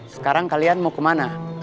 sekarang kalian mau kemana